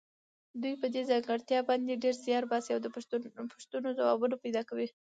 دوی په دې ځانګړتیا باندې ډېر زیار باسي او د پوښتنو ځوابونه پیدا کوي.